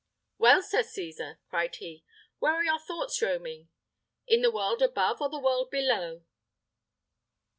"Well, Sir Cesar," cried he, "where are your thoughts roaming? In the world above, or the world below?"